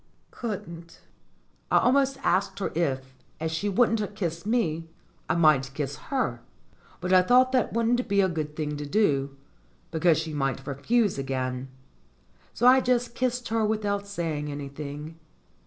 "Couldn't." I almost asked her if, as she wouldn't kiss me, I might kiss her, but I thought that wouldn't be a good thing to do, because she might refuse again. So I just kissed her without saying anything.